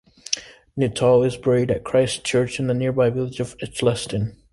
Nuttall is buried at Christ Church in the nearby village of Eccleston.